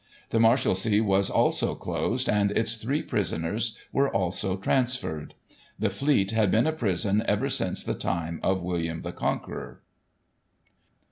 The Marshal sea was also closed, and its three prisoners were also trans ferred. The Fleet had been a prison ever since the time of William the Conqueror.